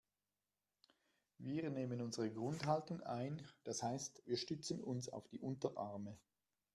Wir nehmen unsere Grundhaltung ein, das heißt wir stützen uns auf die Unterarme.